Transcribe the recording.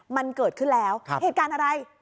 มันเกิดขึ้นแล้วเหตุการณ์อะไร